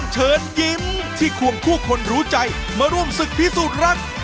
สวัสดีครับ